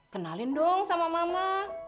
kenalin dong sama mama